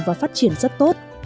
và phát triển rất tốt